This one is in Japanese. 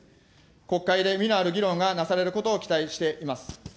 国会で実のある議論がなされることを期待しています。